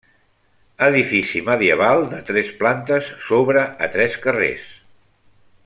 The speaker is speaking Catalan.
Edifici medieval de tres plantes, s'obre a tres carrers.